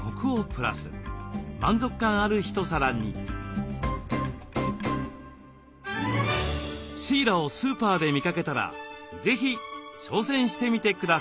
シイラをスーパーで見かけたら是非挑戦してみてください。